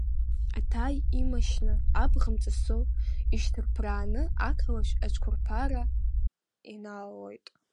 Аҭаи имашьына абӷа мҵысӡо ишьҭыԥрааны ақалақь ацәқәырԥара иналалоит.